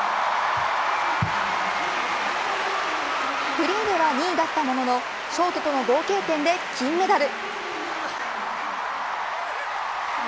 フリーでは２位だったもののショートとの合計点で金メダル。